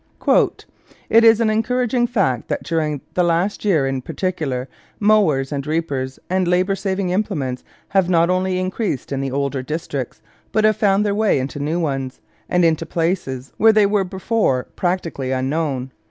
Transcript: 'It is an encouraging fact that during the last year in particular mowers and reapers and labour saving implements have not only increased in the older districts, but have found their way into new ones, and into places where they were before practically unknown.